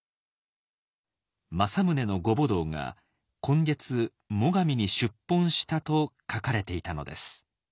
「政宗のご母堂が今月最上に出奔した」と書かれていたのです。